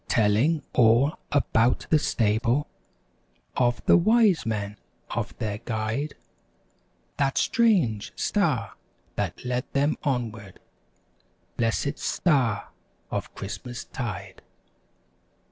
194 Telling all about the stable; Of the Wise Men; of their guide, That strange Star, that led them onward: Blessed Star of Christmas tide!